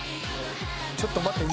ちょっと待って。